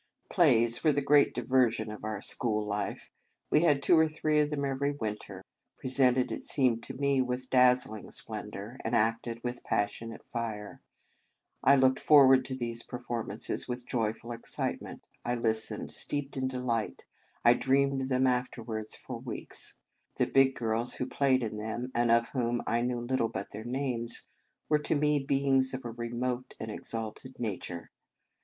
Plays were the great diversions of our school life. We had two or three of them every winter, presented, it seeiped to me, with dazzling splen dour, and acted with passionate fire. I looked forward to these perform ances with joyful excitement, I lis tened, steeped in delight, I dreamed of them afterwards for weeks. The big girls who played in them, and of whom I knew little but their names, were to me beings of a remote and exalted nature.